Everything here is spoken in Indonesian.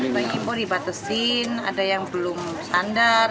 bawang putih impor dibatasi ada yang belum standar